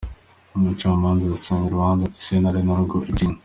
Umucamanza yasomye urubanza ati: Sentare n’urwo iciye.